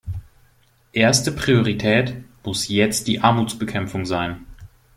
Erste Priorität muss jetzt die Armutsbekämpfung sein.